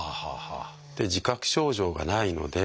自覚症状がないので。